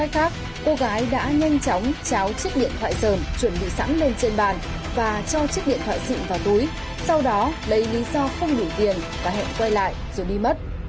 cô gái đã nhanh chóng cháo chiếc điện thoại dờn chuẩn bị sẵn lên trên bàn và cho chiếc điện thoại xịn vào túi sau đó lấy lý do không đủ tiền và hẹn quay lại rồi đi mất